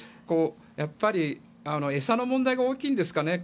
餌の問題が大きいんですかね。